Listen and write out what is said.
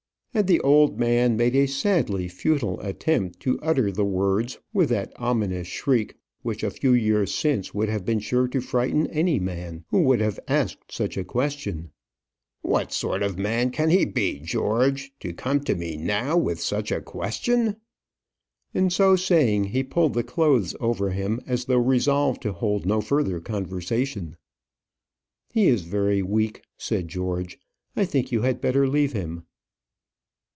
and the old man made a sadly futile attempt to utter the words with that ominous shriek which a few years since would have been sure to frighten any man who would have asked such a question. "What sort of man can he be, George, to come to me now with such a question?" And so saying, he pulled the clothes over him as though resolved to hold no further conversation. "He is very weak," said George. "I think you had better leave him."